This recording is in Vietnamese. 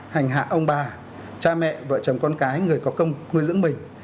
hành hạ ông bà cha mẹ vợ chồng con cái người có công nuôi dưỡng mình